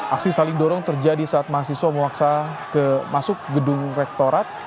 aksi saling dorong terjadi saat mahasiswa memaksa masuk gedung rektorat